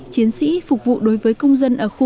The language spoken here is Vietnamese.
chiến sĩ phục vụ đối với công dân ở khu